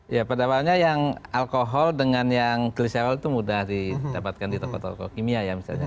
ya pada awalnya yang alkohol dengan yang clisewal itu mudah didapatkan di toko toko kimia ya misalnya